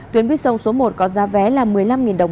tuyến buýt sông số một có giá vé là một mươi năm đồng